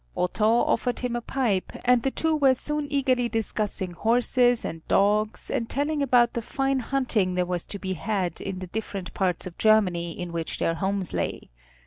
Otto offered him a pipe, and the two were soon eagerly discussing horses and dogs and telling about the fine hunting there was to be had in the different parts of Germany in which their homes lay.